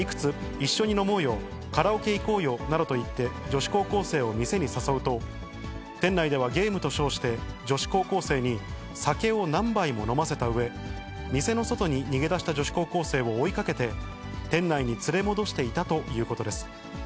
一緒に飲もうよ、カラオケ行こうよなどと言って、女子高校生を店に誘うと、店内ではゲームと称して、女子高校生に酒を何杯も飲ませたうえ、店の外に逃げ出した女子高校生を追いかけて、店内に連れ戻していたということです。